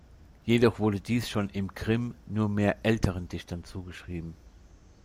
Jedoch wurde dies schon im Grimm nur mehr „älteren Dichtern“ zugeschrieben.